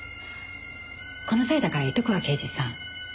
この際だから言っておくわ刑事さん。